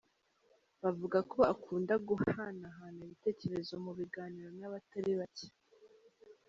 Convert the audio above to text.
Bavuga ko akunda guhanahana ibitekerezo mu biganiro n’abatari bake.